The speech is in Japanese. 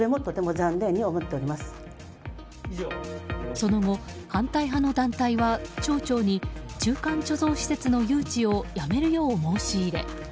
その後、反対派の団体は町長に中間貯蔵施設の誘致をやめるよう申し入れ。